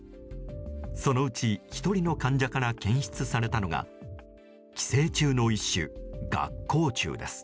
そのうち１人の患者から検出されたのが寄生虫の一種、顎口虫です。